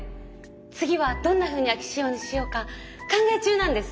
次はどんなふうに秋仕様にしようか考え中なんです。